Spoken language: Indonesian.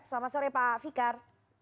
selamat sore pak fikar